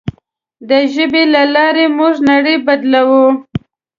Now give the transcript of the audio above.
د ژبې له لارې موږ نړۍ بدلوله.